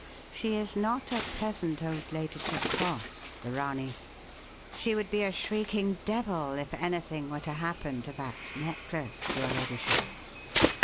She is not a pleasant old lady to cross, the Ranee. She would be a shrieking devil if anything were to happen to that necklace, your ladyship."